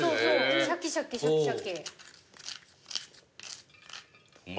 シャキシャキシャキシャキ。ホンマ